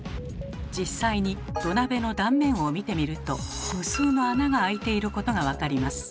実際に土鍋の断面を見てみると無数の穴が開いていることが分かります。